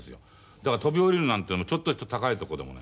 だから飛び降りるなんていうのもちょっとした高いとこでもね